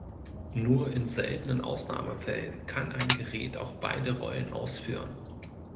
Nur in seltenen Ausnahmefällen kann ein Gerät auch beide Rollen ausführen.